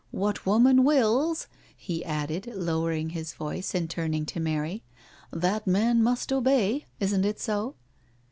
" What woman wills," he added, lowering his voice and turning to Mary, " that man must obey — isn't it so?"